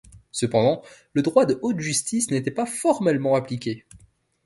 Cependant, le droit de haute justice n'était pas formellement appliqué.